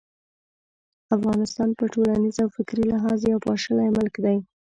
افغانستان په ټولنیز او فکري لحاظ یو پاشلی ملک دی.